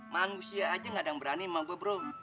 manusia aja gak ada yang berani sama gue bro